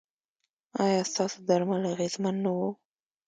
ایا ستاسو درمل اغیزمن نه وو؟